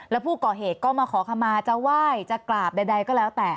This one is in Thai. แล้วผู้ก่อเหตุก็มาขอขมาจะไหว้จะกราบใดก็แล้วแต่